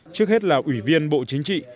trước hết là ủy viên bộ chính trị